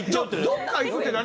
どこか行くって何？